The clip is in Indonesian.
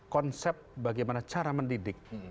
konsep bagaimana cara mendidik